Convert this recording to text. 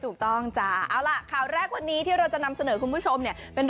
ก็แล้วแต่มันผ่านออก